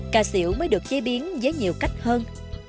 cà xỉu mới được chế biến với nhiều cách hơn